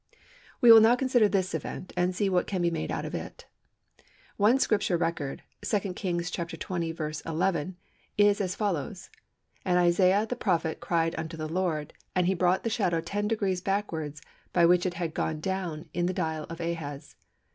We will now consider this event, and see what can be made out of it. One Scripture record (2 Kings xx. 11) is as follows:—"And Isaiah the prophet cried unto the Lord: and he brought the shadow ten degrees backward, by which it had gone down in the dial of Ahaz."